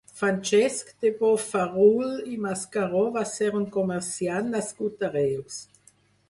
Francesc de Bofarull i Mascaró va ser un comerciant nascut a Reus.